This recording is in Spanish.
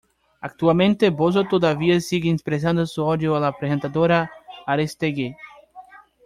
Actualmente Bozzo todavía sigue expresando su odio a la presentadora Aristegui.